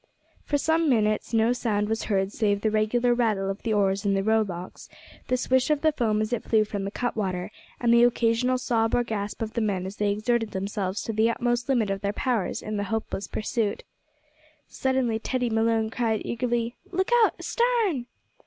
For some minutes no sound was heard save the regular rattle of the oars in the rowlocks, the swish of the foam as it flew from the cutwater, and the occasional sob or gasp of the men as they exerted themselves to the utmost limit of their powers in the hopeless pursuit. Suddenly Teddy Malone cried eagerly, "Look out astarn!"